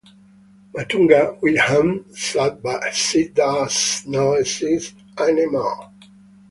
Matunga vidhan sabha seat does not exist any more.